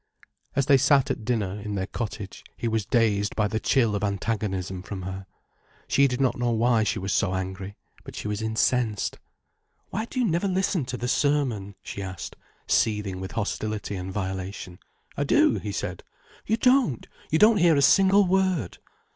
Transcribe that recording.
As they sat at dinner, in their cottage, he was dazed by the chill of antagonism from her. She did not know why she was so angry. But she was incensed. "Why do you never listen to the sermon?" she asked, seething with hostility and violation. "I do," he said. "You don't—you don't hear a single word."